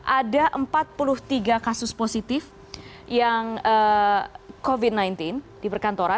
ada empat puluh tiga kasus positif yang covid sembilan belas di perkantoran